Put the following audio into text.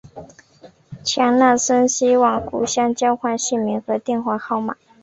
强纳森希望互相交换姓名和电话号码。